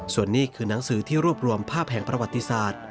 ส่วนนี้คือหนังสือที่รวบรวมภาพแห่งประวัติศาสตร์